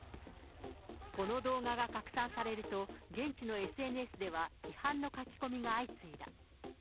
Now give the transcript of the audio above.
この動画が拡散されると、現地のＳＮＳでは、批判の書き込みが相次いだ。